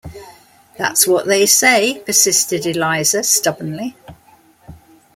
"That's what they say," persisted Eliza stubbornly.